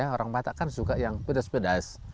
orang batak kan suka yang pedas pedas